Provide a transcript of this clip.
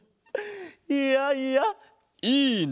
いやいやいいね！